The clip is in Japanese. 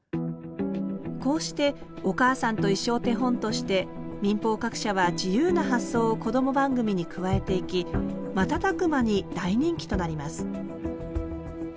こうして「おかあさんといっしょ」を手本として民放各社は自由な発想をこども番組に加えていき瞬く間に大人気となります